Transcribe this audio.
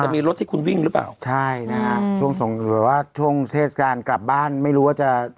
อ่ะจะมีรถที่คุณวิ่งรึเปล่าใช่นะครับอืมช่วงส่งหรือว่าช่วงเทศกาลกลับบ้านไม่รู้ว่าจะ